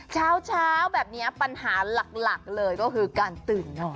เช้าแบบนี้ปัญหาหลักเลยก็คือการตื่นนอน